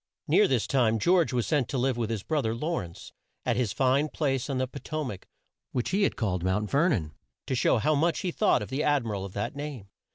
Near this time George was sent to live with his bro ther Law rence, at his fine place on the Po to mac, which he had called Mount Ver non, to show how much he thought of the ad mi ral of that name.